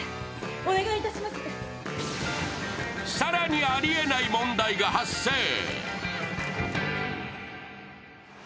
更に、ありえない問題が発生。